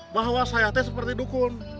bahwa saya seperti dukun